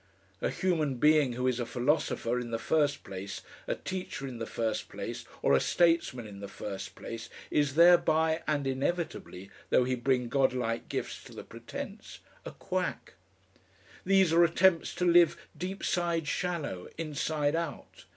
A human being who is a philosopher in the first place, a teacher in the first place, or a statesman in the first place, is thereby and inevitably, though he bring God like gifts to the pretence a quack. These are attempts to live deep side shallow, inside out.